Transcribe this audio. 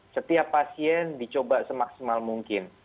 setiap pasien dicoba semaksimal mungkin